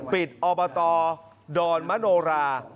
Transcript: ปิดออบตดอนมะโนรา